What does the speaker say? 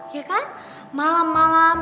iya kan malam malam